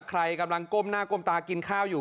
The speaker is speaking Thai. ใครกำลังก้มหน้าก้มตากินข้าวอยู่